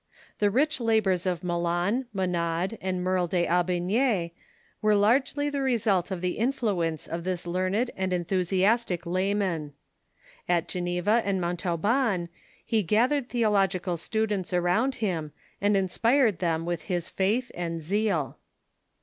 The rich labors of Malan, Monod, and Merle d'Aubigne were largely the result of the influence of this learned and enthusiastic lay man. At Geneva and Montauban he gathered theological students around him, and inspired them with his faith and zeal.